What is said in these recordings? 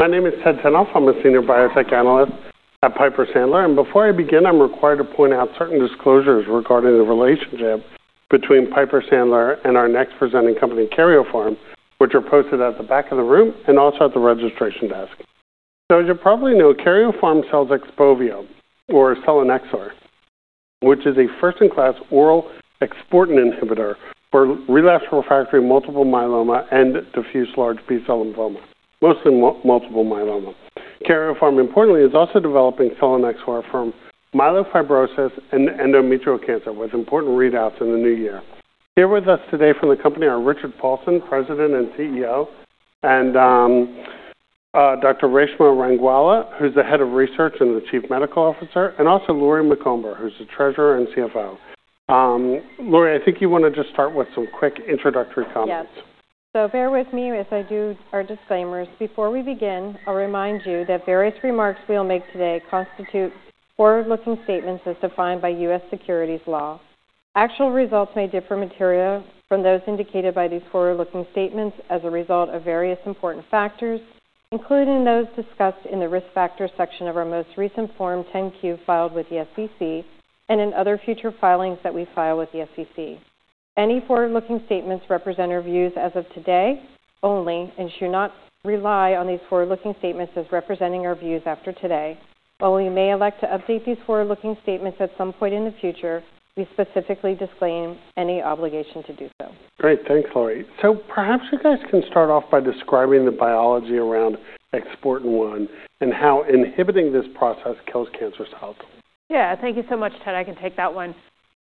My name is Ted Tenthoff. I'm a senior biotech analyst at Piper Sandler, and before I begin, I'm required to point out certain disclosures regarding the relationship between Piper Sandler and our next presenting company, Karyopharm, which are posted at the back of the room and also at the registration desk, so as you probably know, Karyopharm sells XPOVIO, or selinexor, which is a first-in-class oral Exportin-1 inhibitor for relapse refractory multiple myeloma and diffuse large B-cell lymphoma, mostly multiple myeloma. Karyopharm, importantly, is also developing selinexor for myelofibrosis and endometrial cancer, with important readouts in the new year. Here with us today from the company are Richard Paulson, President and CEO, and Dr. Reshma Rangwala, who's the Head of Research and the Chief Medical Officer, and also Lori Macomber, who's the Treasurer and CFO. Lori, I think you want to just start with some quick introductory comments. Yes. So, bear with me as I do our disclaimers. Before we begin, I'll remind you that various remarks we'll make today constitute forward-looking statements as defined by U.S. securities law. Actual results may differ materially from those indicated by these forward-looking statements as a result of various important factors, including those discussed in the risk factor section of our most recent Form 10-Q filed with the SEC and in other future filings that we file with the SEC. Any forward-looking statements represent our views as of today only, and should not rely on these forward-looking statements as representing our views after today. While we may elect to update these forward-looking statements at some point in the future, we specifically disclaim any obligation to do so. Great. Thanks, Lori. So, perhaps you guys can start off by describing the biology around Exportin-1 and how inhibiting this process kills cancer cells? Yeah. Thank you so much, Ted. I can take that one.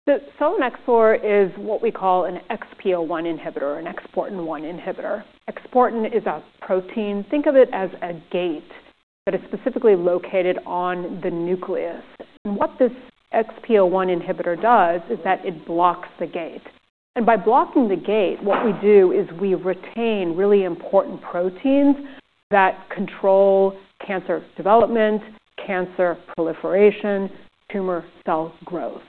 So, selinexor is what we call an XPO1 inhibitor, an Exportin-1 inhibitor. Exportin is a protein; think of it as a gate, but it's specifically located on the nucleus. And what this XPO1 inhibitor does is that it blocks the gate. And by blocking the gate, what we do is we retain really important proteins that control cancer development, cancer proliferation, tumor cell growth.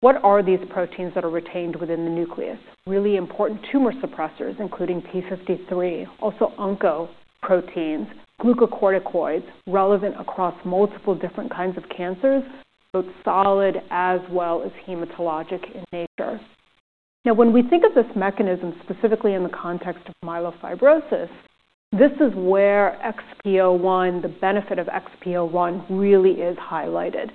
What are these proteins that are retained within the nucleus? Really important tumor suppressors, including p53, also oncoproteins, glucocorticoids, relevant across multiple different kinds of cancers, both solid as well as hematologic in nature. Now, when we think of this mechanism specifically in the context of myelofibrosis, this is where XPO1, the benefit of XPO1, really is highlighted.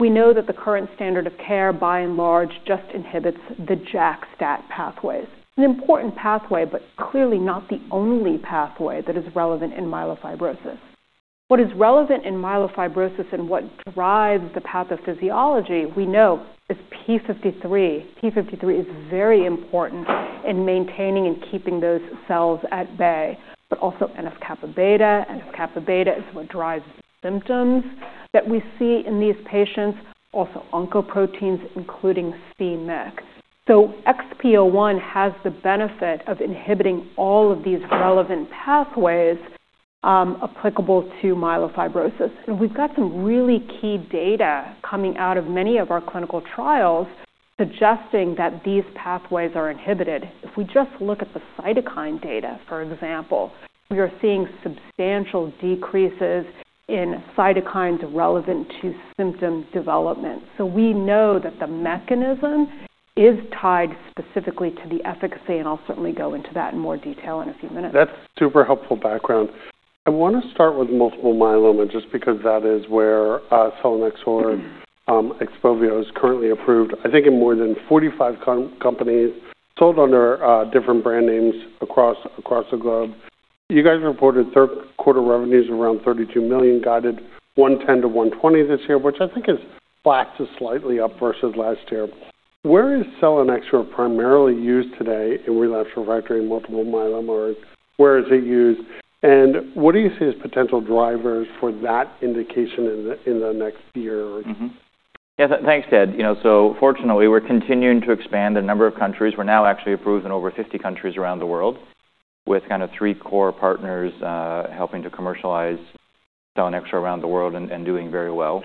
We know that the current standard of care, by and large, just inhibits the JAK-STAT pathways. It's an important pathway, but clearly not the only pathway that is relevant in myelofibrosis. What is relevant in myelofibrosis and what drives the pathophysiology, we know, is p53. p53 is very important in maintaining and keeping those cells at bay, but also NF-κB. NF-κB is what drives the symptoms that we see in these patients, also oncoproteins, including c-Myc. So, XPO1 has the benefit of inhibiting all of these relevant pathways applicable to myelofibrosis. And we've got some really key data coming out of many of our clinical trials suggesting that these pathways are inhibited. If we just look at the cytokine data, for example, we are seeing substantial decreases in cytokines relevant to symptom development. So, we know that the mechanism is tied specifically to the efficacy, and I'll certainly go into that in more detail in a few minutes. That's super helpful background. I want to start with multiple myeloma, just because that is where selinexor, XPOVIO is currently approved, I think in more than 45 companies sold under different brand names across the globe. You guys reported third-quarter revenues around $32 million, guided $110 million-$120 million this year, which I think is back to slightly up versus last year. Where is selinexor primarily used today in relapse refractory multiple myeloma? Where is it used? And what do you see as potential drivers for that indication in the next year? Yeah. Thanks, Ted. You know, so fortunately, we're continuing to expand a number of countries. We're now actually approved in over 50 countries around the world, with kind of three core partners helping to commercialize selinexor around the world and doing very well.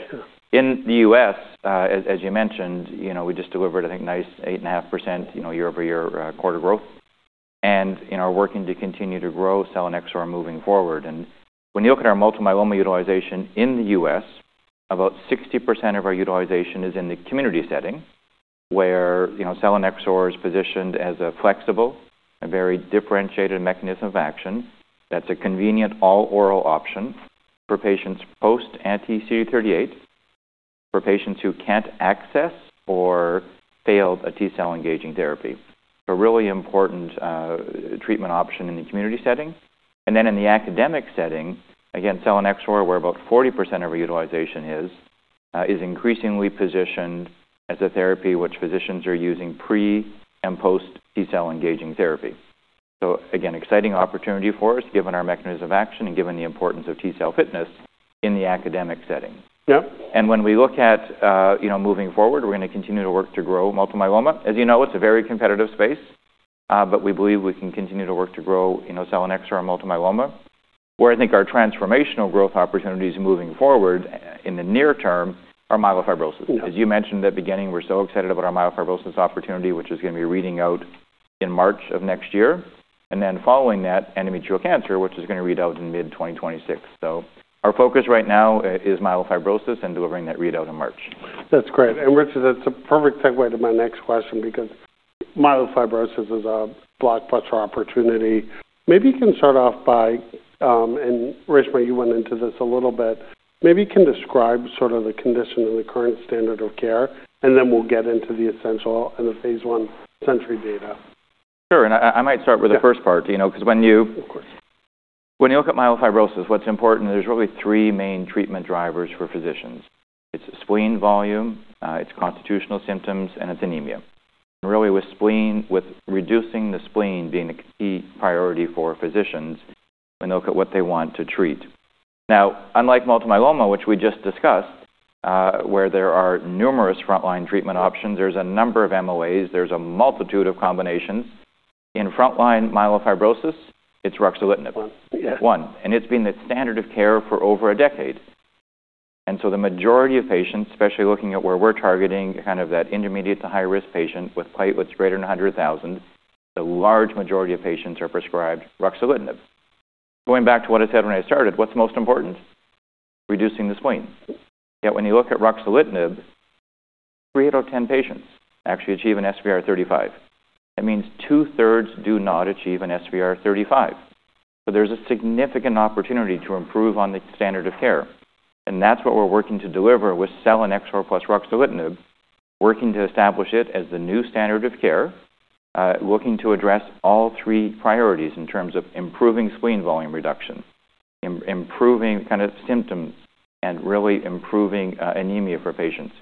In the U.S., as you mentioned, you know, we just delivered, I think, nice 8.5% year-over-year quarter growth. And, you know, we're working to continue to grow selinexor moving forward. And when you look at our multiple myeloma utilization in the U.S., about 60% of our utilization is in the community setting, where, you know, selinexor is positioned as a flexible, a very differentiated mechanism of action that's a convenient all-oral option for patients post anti-CD38, for patients who can't access or failed a T-cell engaging therapy. A really important treatment option in the community setting. And then in the academic setting, again, selinexor, where about 40% of our utilization is, is increasingly positioned as a therapy which physicians are using pre and post T-cell engaging therapy. So, again, exciting opportunity for us, given our mechanism of action and given the importance of T-cell fitness in the academic setting. Yep. When we look at, you know, moving forward, we're going to continue to work to grow multiple myeloma. As you know, it's a very competitive space, but we believe we can continue to work to grow, you know, selinexor in multiple myeloma, where I think our transformational growth opportunities moving forward in the near term are myelofibrosis. Yep. As you mentioned at the beginning, we're so excited about our myelofibrosis opportunity, which is going to be reading out in March of next year. And then following that, endometrial cancer, which is going to read out in mid-2026. So, our focus right now is myelofibrosis and delivering that readout in March. That's great, and Richard, that's a perfect segue to my next question, because myelofibrosis is a blockbuster opportunity. Maybe you can start off by, and Reshma, you went into this a little bit, maybe you can describe sort of the condition and the current standard of care, and then we'll get into the ESSENTIAL and the phase I SENTRY data. Sure, and I might start with the first part, you know, because when you... Of course. When you look at myelofibrosis, what's important, there's really three main treatment drivers for physicians: it's spleen volume, it's constitutional symptoms, and it's anemia, and really, with spleen, with reducing the spleen being a key priority for physicians, when they look at what they want to treat. Now, unlike multiple myeloma, which we just discussed, where there are numerous frontline treatment options, there's a number of MOAs, there's a multitude of combinations. In frontline myelofibrosis, it's ruxolitinib. One. One. And it's been the standard of care for over a decade. And so, the majority of patients, especially looking at where we're targeting, kind of that intermediate to high-risk patient with platelets greater than 100,000, the large majority of patients are prescribed ruxolitinib. Going back to what I said when I started, what's most important? Reducing the spleen. Yet, when you look at ruxolitinib, three out of 10 patients actually achieve an SVR35. That means 2/3 do not achieve an SVR35. So, there's a significant opportunity to improve on the standard of care. And that's what we're working to deliver with selinexor plus ruxolitinib, working to establish it as the new standard of care, looking to address all three priorities in terms of improving spleen volume reduction, improving kind of symptoms, and really improving anemia for patients.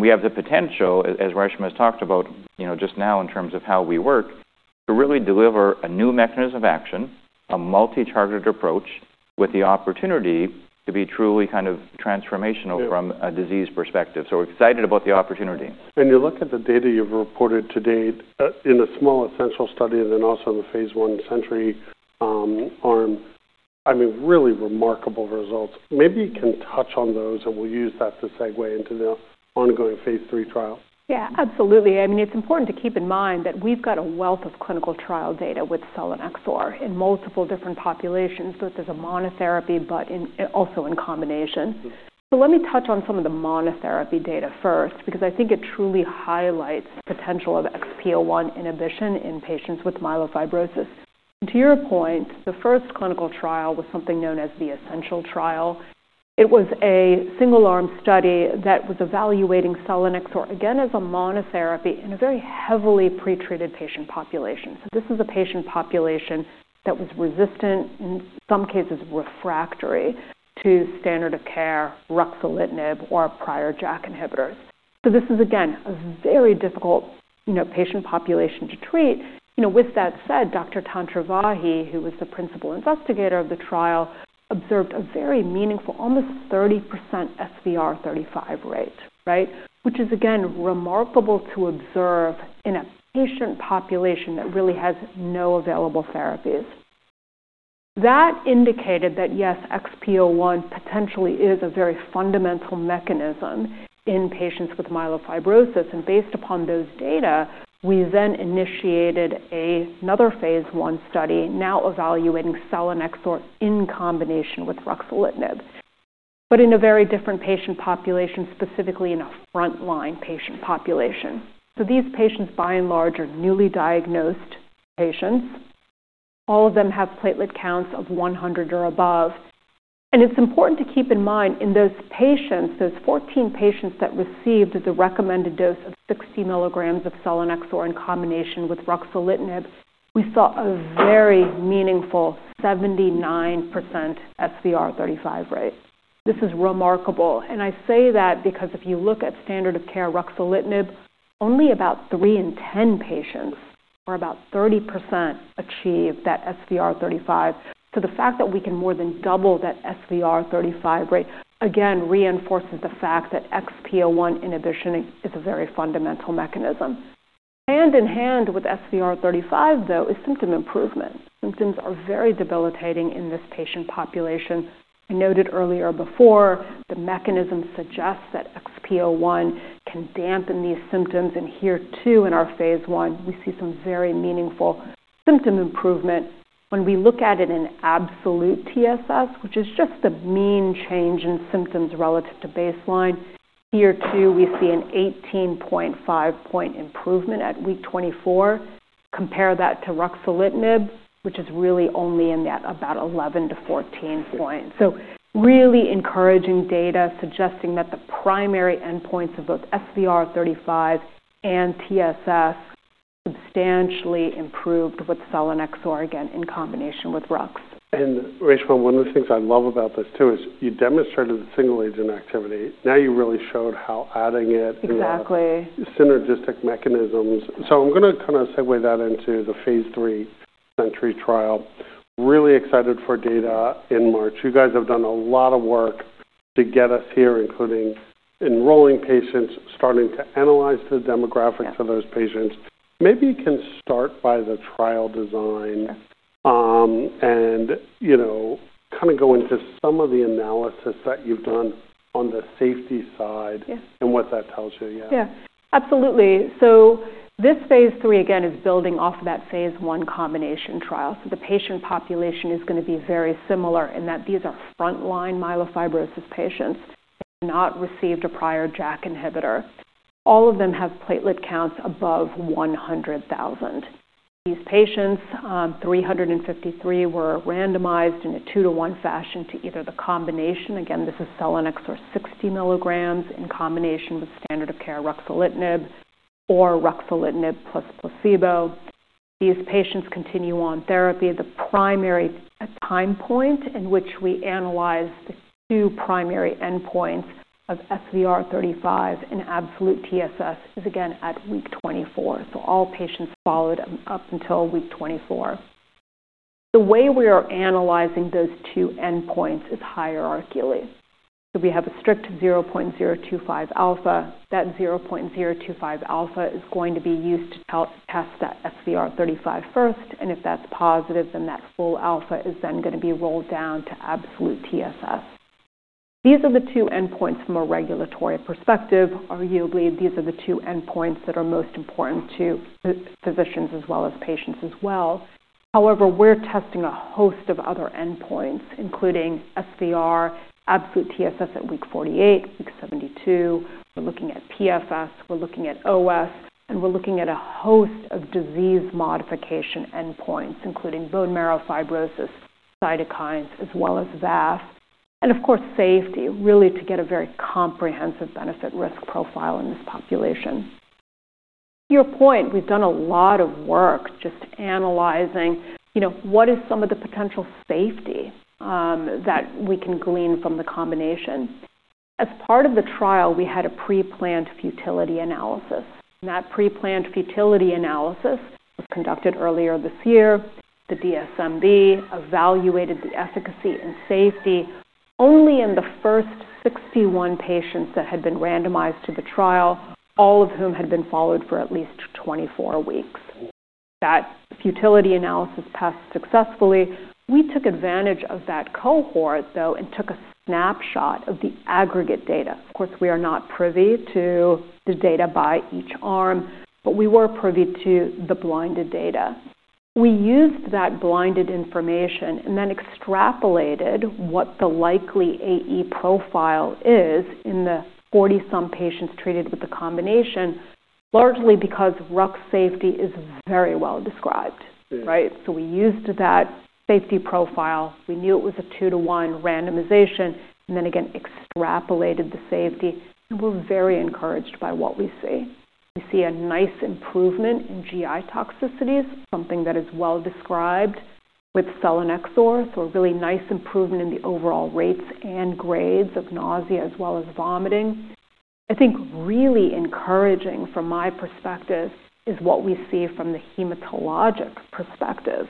We have the potential, as Reshma has talked about, you know, just now in terms of how we work, to really deliver a new mechanism of action, a multi-targeted approach with the opportunity to be truly kind of transformational from a disease perspective. We're excited about the opportunity. When you look at the data you've reported to date in the small ESSENTIAL study and then also in the phase I SENTRY arm, I mean, really remarkable results. Maybe you can touch on those, and we'll use that to segue into the ongoing phase III trial. Yeah, absolutely. I mean, it's important to keep in mind that we've got a wealth of clinical trial data with selinexor in multiple different populations, both as a monotherapy but also in combination. So, let me touch on some of the monotherapy data first, because I think it truly highlights the potential of XPO1 inhibition in patients with myelofibrosis. To your point, the first clinical trial was something known as the ESSENTIAL trial. It was a single-arm study that was evaluating selinexor, again, as a monotherapy in a very heavily pretreated patient population. So, this is a patient population that was resistant, in some cases refractory, to standard of care ruxolitinib or prior JAK inhibitors. So, this is, again, a very difficult, you know, patient population to treat. You know, with that said. Dr. Tantravahi, who was the principal investigator of the trial, observed a very meaningful, almost 30% SVR35 rate, right, which is, again, remarkable to observe in a patient population that really has no available therapies. That indicated that, yes, XPO1 potentially is a very fundamental mechanism in patients with myelofibrosis, and based upon those data, we then initiated another phase I study, now evaluating selinexor in combination with ruxolitinib, but in a very different patient population, specifically in a frontline patient population, so these patients, by and large, are newly diagnosed patients. All of them have platelet counts of 100 or above, and it's important to keep in mind, in those patients, those 14 patients that received the recommended dose of 60 mg of selinexor in combination with ruxolitinib, we saw a very meaningful 79% SVR35 rate. This is remarkable. I say that because if you look at standard of care ruxolitinib, only about three in 10 patients or about 30% achieve that SVR35. So, the fact that we can more than double that SVR35 rate, again, reinforces the fact that XPO1 inhibition is a very fundamental mechanism. Hand in hand with SVR35, though, is symptom improvement. Symptoms are very debilitating in this patient population. I noted earlier before, the mechanism suggests that XPO1 can dampen these symptoms. And here, too, in our phase I, we see some very meaningful symptom improvement. When we look at it in absolute TSS, which is just the mean change in symptoms relative to baseline, here, too, we see an 18.5 point improvement at week 24. Compare that to ruxolitinib, which is really only in that about 11 point-14 point. Really encouraging data suggesting that the primary endpoints of both SVR35 and TSS substantially improved with selinexor, again, in combination with RUX. And, Reshma, one of the things I love about this, too, is you demonstrated the single-agent activity. Now you really showed how adding it. Exactly. Synergistic mechanisms. So, I'm going to kind of segue that into the phase III SENTRY trial. Really excited for data in March. You guys have done a lot of work to get us here, including enrolling patients, starting to analyze the demographics of those patients. Maybe you can start by the trial design and, you know, kind of go into some of the analysis that you've done on the safety side and what that tells you. Yeah. Yeah, absolutely. So, this phase III, again, is building off of that phase I combination trial. So, the patient population is going to be very similar in that these are frontline myelofibrosis patients who have not received a prior JAK inhibitor. All of them have platelet counts above 100,000. These patients, 353, were randomized in a two-to-one fashion to either the combination, again, this is selinexor 60 mg in combination with standard of care ruxolitinib or ruxolitinib plus placebo. These patients continue on therapy. The primary time point in which we analyze the two primary endpoints of SVR35 and absolute TSS is, again, at week 24. So, all patients followed up until week 24. The way we are analyzing those two endpoints is hierarchically. So, we have a strict 0.025 alpha. That 0.025 alpha is going to be used to test that SVR35 first. If that's positive, then that full alpha is then going to be rolled down to absolute TSS. These are the two endpoints from a regulatory perspective. Arguably, these are the two endpoints that are most important to physicians as well as patients as well. However, we're testing a host of other endpoints, including SVR, absolute TSS at week 48, week 72. We're looking at PFS. We're looking at OS. And we're looking at a host of disease modification endpoints, including bone marrow fibrosis, cytokines, as well as VAS, and of course, safety, really to get a very comprehensive benefit-risk profile in this population. To your point, we've done a lot of work just analyzing, you know, what is some of the potential safety that we can glean from the combination. As part of the trial, we had a pre-planned futility analysis. That pre-planned futility analysis was conducted earlier this year. The DSMB evaluated the efficacy and safety only in the first 61 patients that had been randomized to the trial, all of whom had been followed for at least 24 weeks. That futility analysis passed successfully. We took advantage of that cohort, though, and took a snapshot of the aggregate data. Of course, we are not privy to the data by each arm, but we were privy to the blinded data. We used that blinded information and then extrapolated what the likely AE profile is in the 40-some patients treated with the combination, largely because RUX safety is very well described, right? So, we used that safety profile. We knew it was a two-to-one randomization, and then, again, extrapolated the safety. And we're very encouraged by what we see. We see a nice improvement in GI toxicities, something that is well described with selinexor. So, a really nice improvement in the overall rates and grades of nausea as well as vomiting. I think really encouraging, from my perspective, is what we see from the hematologic perspective.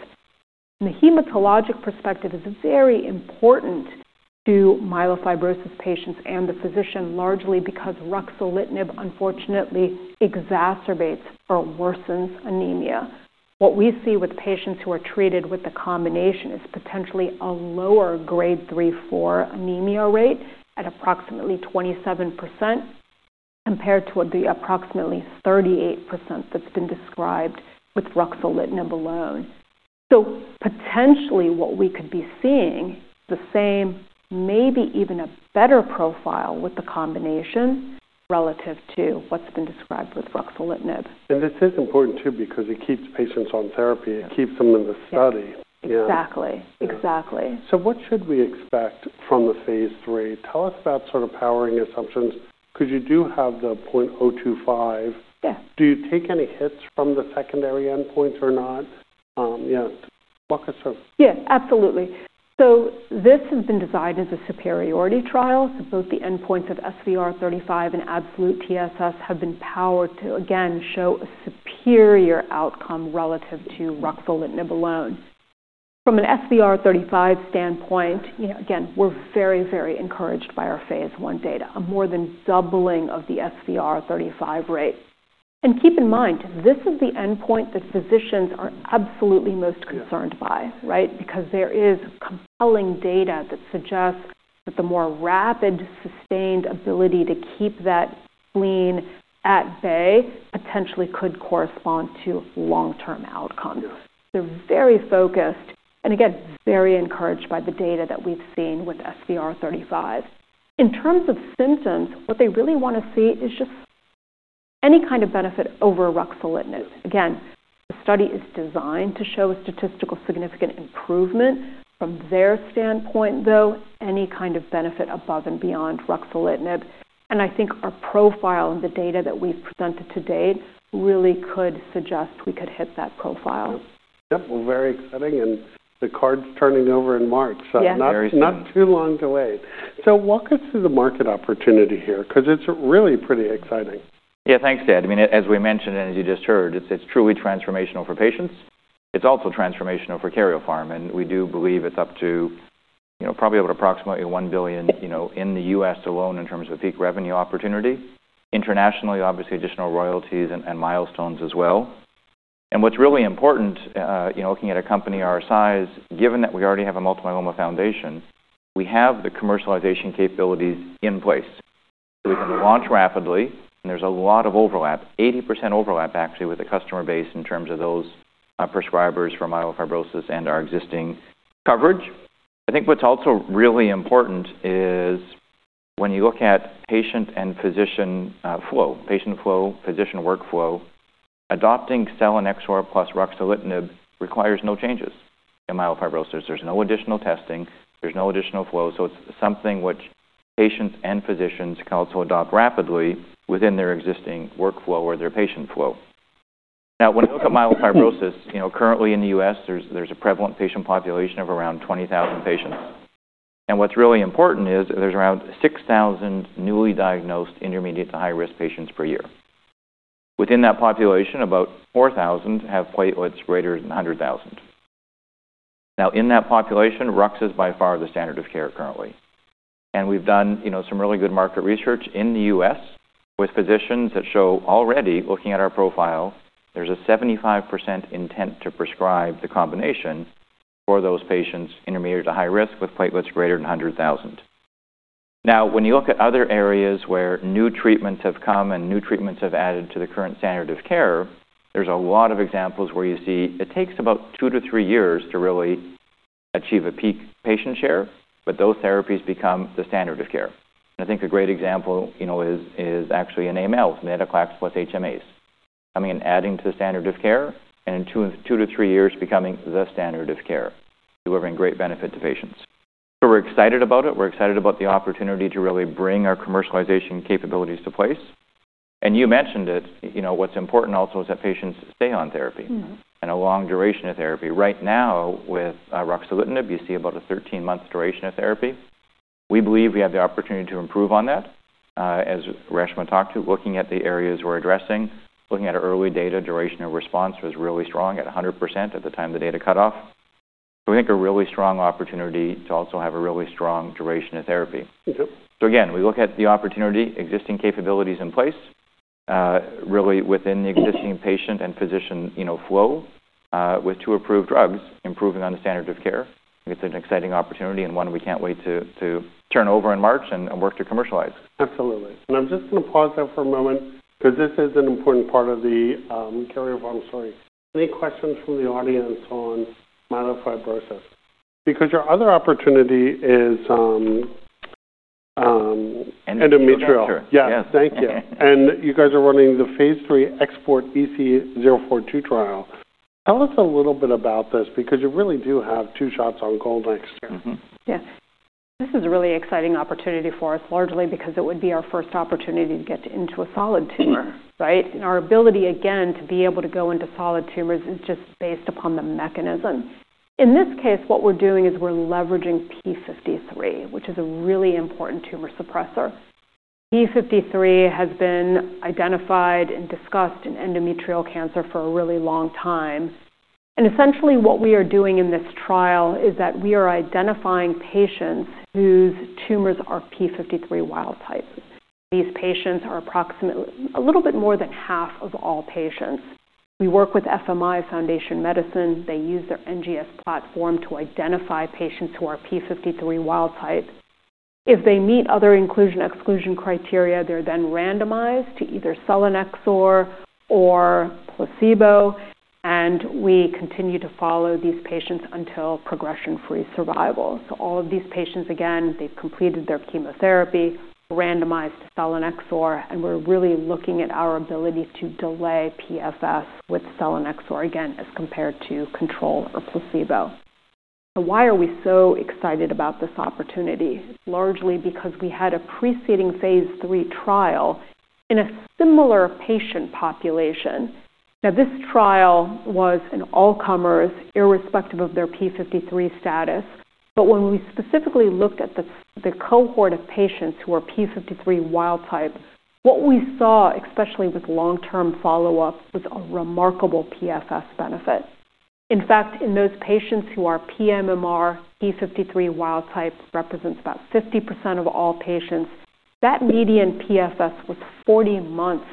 The hematologic perspective is very important to myelofibrosis patients and the physician, largely because ruxolitinib, unfortunately, exacerbates or worsens anemia. What we see with patients who are treated with the combination is potentially a lower grade three, four anemia rate at approximately 27% compared to the approximately 38% that's been described with ruxolitinib alone. So, potentially, what we could be seeing, the same, maybe even a better profile with the combination relative to what's been described with ruxolitinib. This is important, too, because it keeps patients on therapy. It keeps them in the study. Exactly. Exactly. What should we expect from the phase III? Tell us about sort of powering assumptions. Because you do have the 0.025. Yes. Do you take any hits from the secondary endpoints or not? Yes. Walk us through. Yeah, absolutely, so this has been designed as a superiority trial, so both the endpoints of SVR35 and absolute TSS have been powered to, again, show a superior outcome relative to ruxolitinib alone. From an SVR35 standpoint, you know, again, we're very, very encouraged by our phase I data, a more than doubling of the SVR35 rate, and keep in mind, this is the endpoint that physicians are absolutely most concerned by, right, because there is compelling data that suggests that the more rapid sustained ability to keep that spleen at bay potentially could correspond to long-term outcomes. They're very focused and, again, very encouraged by the data that we've seen with SVR35. In terms of symptoms, what they really want to see is just any kind of benefit over ruxolitinib. Again, the study is designed to show a statistical significant improvement. From their standpoint, though, any kind of benefit above and beyond ruxolitinib, and I think our profile and the data that we've presented to date really could suggest we could hit that profile. Yep. Well, very exciting. And the card's turning over in March. Yeah, very soon. So, not too long to wait. So, walk us through the market opportunity here, because it's really pretty exciting. Yeah, thanks, Ted. I mean, as we mentioned and as you just heard, it's truly transformational for patients. It's also transformational for Karyopharm. And we do believe it's up to, you know, probably about approximately $1 billion, you know, in the U.S. alone in terms of a peak revenue opportunity. Internationally, obviously, additional royalties and milestones as well. And what's really important, you know, looking at a company our size, given that we already have a multiple myeloma franchise, we have the commercialization capabilities in place. We can launch rapidly, and there's a lot of overlap, 80% overlap, actually, with the customer base in terms of those prescribers for myelofibrosis and our existing coverage. I think what's also really important is when you look at patient and physician flow, patient flow, physician workflow, adopting selinexor plus ruxolitinib requires no changes in myelofibrosis. There's no additional testing. There's no additional flow, so it's something which patients and physicians can also adopt rapidly within their existing workflow or their patient flow. Now, when you look at myelofibrosis, you know, currently in the U.S., there's a prevalent patient population of around 20,000 patients. What's really important is there's around 6,000 newly diagnosed intermediate to high-risk patients per year. Within that population, about 4,000 have platelets greater than 100,000. Now, in that population, rux is by far the standard of care currently. We've done, you know, some really good market research in the U.S. with physicians that show already, looking at our profile, there's a 75% intent to prescribe the combination for those patients intermediate to high risk with platelets greater than 100,000. Now, when you look at other areas where new treatments have come and new treatments have added to the current standard of care, there's a lot of examples where you see it takes about two to three years to really achieve a peak patient share, but those therapies become the standard of care. And I think a great example, you know, is actually in AML with venetoclax plus HMAs, coming and adding to the standard of care and in two to three years becoming the standard of care, delivering great benefit to patients. So, we're excited about it. We're excited about the opportunity to really bring our commercialization capabilities to bear. And you mentioned it. You know, what's important also is that patients stay on therapy for a long duration of therapy. Right now, with ruxolitinib, you see about a 13-month duration of therapy. We believe we have the opportunity to improve on that, as Reshma talked to, looking at the areas we're addressing. Looking at our early data, duration of response was really strong at 100% at the time the data cut off. So, we think a really strong opportunity to also have a really strong duration of therapy. So, again, we look at the opportunity, existing capabilities in place, really within the existing patient and physician, you know, flow with two approved drugs, improving on the standard of care. I think it's an exciting opportunity and one we can't wait to turn over in March and work to commercialize. Absolutely. And I'm just going to pause there for a moment because this is an important part of the Karyopharm story. Any questions from the audience on myelofibrosis? Because your other opportunity is endometrial. Endometrial, sure. Yes. Thank you, and you guys are running the phase III XPORT-EC-042 trial. Tell us a little bit about this because you really do have two shots on goal next year. Yeah. This is a really exciting opportunity for us, largely because it would be our first opportunity to get into a solid tumor, right? And our ability, again, to be able to go into solid tumors is just based upon the mechanism. In this case, what we're doing is we're leveraging p53, which is a really important tumor suppressor. p53 has been identified and discussed in endometrial cancer for a really long time. And essentially, what we are doing in this trial is that we are identifying patients whose tumors are p53 wild type. These patients are approximately a little bit more than half of all patients. We work with FMI Foundation Medicine. They use their NGS platform to identify patients who are p53 wild type. If they meet other inclusion/exclusion criteria, they're then randomized to either selinexor or placebo. We continue to follow these patients until progression-free survival. All of these patients, again, they've completed their chemotherapy, randomized to selinexor, and we're really looking at our ability to delay PFS with selinexor, again, as compared to control or placebo. Why are we so excited about this opportunity? It's largely because we had a preceding phase III trial in a similar patient population. Now, this trial was an all-comers, irrespective of their p53 status. When we specifically looked at the cohort of patients who are p53 wild type, what we saw, especially with long-term follow-up, was a remarkable PFS benefit. In fact, in those patients who are pMMR, p53 wild type represents about 50% of all patients. That median PFS was 40 months.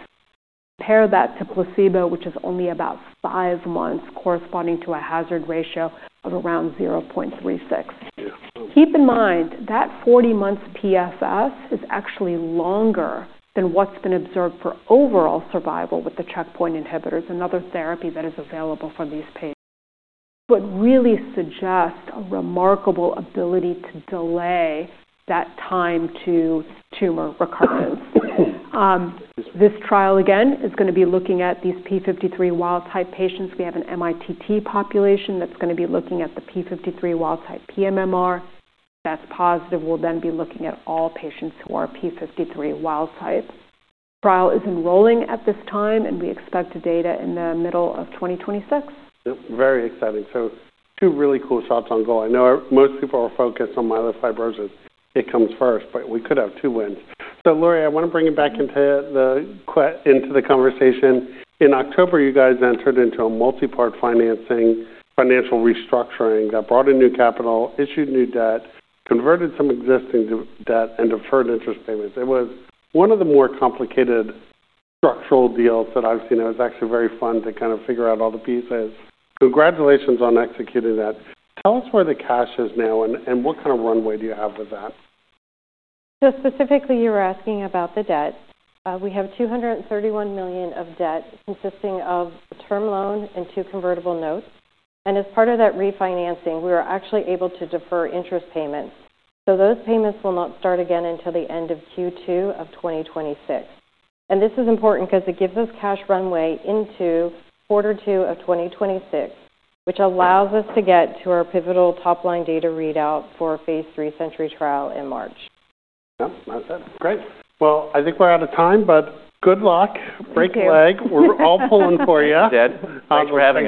Compare that to placebo, which is only about 5 months, corresponding to a hazard ratio of around 0.36. Keep in mind that 40 months PFS is actually longer than what's been observed for overall survival with the checkpoint inhibitors, another therapy that is available for these patients. So, it really suggests a remarkable ability to delay that time to tumor recurrence. This trial, again, is going to be looking at these p53 wild type patients. We have an MITT population that's going to be looking at the p53 wild type pMMR. If that's positive, we'll then be looking at all patients who are p53 wild type. The trial is enrolling at this time, and we expect the data in the middle of 2026. Very exciting. So, two really cool shots on goal. I know most people are focused on myelofibrosis. It comes first, but we could have two wins. So, Lori, I want to bring you back into the conversation. In October, you guys entered into a multi-part financing financial restructuring that brought in new capital, issued new debt, converted some existing debt, and deferred interest payments. It was one of the more complicated structural deals that I've seen. It was actually very fun to kind of figure out all the pieces. Congratulations on executing that. Tell us where the cash is now, and what kind of runway do you have with that? So, specifically, you were asking about the debt. We have $231 million of debt consisting of a term loan and two convertible notes. And as part of that refinancing, we were actually able to defer interest payments. So, those payments will not start again until the end of Q2 of 2026. And this is important because it gives us cash runway into quarter two of 2026, which allows us to get to our pivotal top-line data readout for phase III SENTRY trial in March. Yep. That's it. Great. Well, I think we're out of time, but good luck. Break a leg. We're all pulling for you. Thanks, Ted. Thanks for having us.